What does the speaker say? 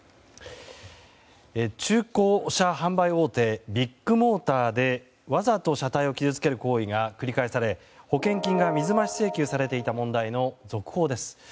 中古車販売大手ビッグモーターでわざと車体を傷つける行為が繰り返され保険金が水増し請求されていた問題の続報です。